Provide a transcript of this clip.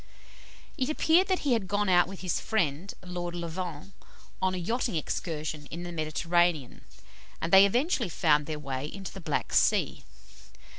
It appeared that he had gone out with his friend, Lord Levant, on a yachting excursion in the Mediterranean, and they eventually found their way into the Black Sea.